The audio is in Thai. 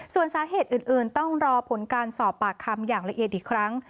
ส่วนสาเหตุอื่นต้องรอผลการสอบปากคำอย่างละเอียดอีกครั้ง